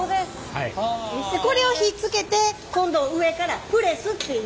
これをひっつけて今度上からプレスっていう。